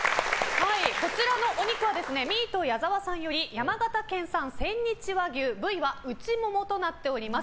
こちらのお肉はミート矢澤さんより山形県産、千日和牛部位は内モモとなっております。